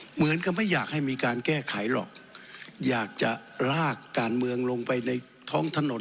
เหมือนกับไม่อยากให้มีการแก้ไขหรอกอยากจะลากการเมืองลงไปในท้องถนน